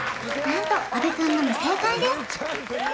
何と阿部くんのみ正解です